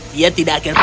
dia tidak akan memakannya